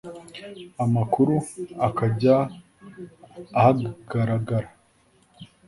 amakuru akajya ahagaragara